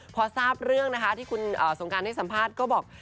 พอทราบเรื่องนะคะที่คุณสงการให้สัมภาษณ์ก็บอก